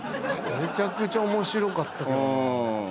めちゃくちゃ面白かったけどなあ。